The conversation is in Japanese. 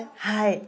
はい。